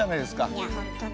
いや本当ね。